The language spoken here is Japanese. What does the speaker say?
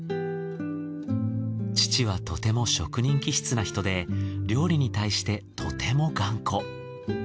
父はとても職人気質な人で料理に対してとても頑固。